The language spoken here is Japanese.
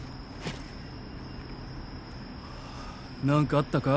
何かあったか？